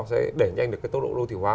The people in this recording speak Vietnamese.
sẽ đẩy nhanh được cái tốc độ đô thị hóa